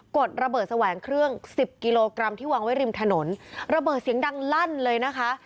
ดระเบิดแสวงเครื่องสิบกิโลกรัมที่วางไว้ริมถนนระเบิดเสียงดังลั่นเลยนะคะ